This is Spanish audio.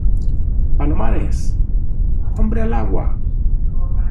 ¡ palomares! ¡ hombre al agua !